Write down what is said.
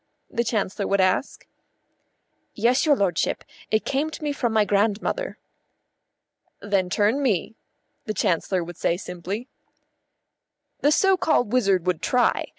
the Chancellor would ask. "Yes, your lordship. It came to me from my grandmother." "Then turn me," the Chancellor would say simply. The so called wizard would try.